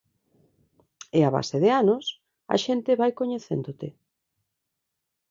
E a base de anos, a xente vai coñecéndote.